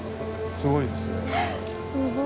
すごいですよ。